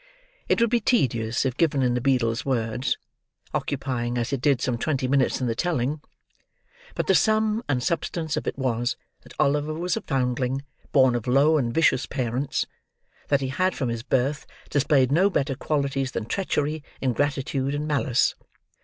It would be tedious if given in the beadle's words: occupying, as it did, some twenty minutes in the telling; but the sum and substance of it was, that Oliver was a foundling, born of low and vicious parents. That he had, from his birth, displayed no better qualities than treachery, ingratitude, and malice.